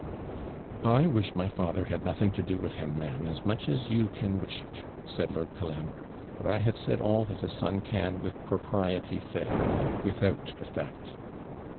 'I wish my father had nothing to do with him, ma'am, as much as you can wish it,' said Lord Colambre; 'but I have said all that a son can with propriety say, and without effect.'